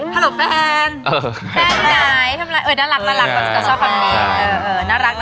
ฮัลโหลแฟนแฟนไหนเออน่ารักก็ชอบคำนี้น่ารัก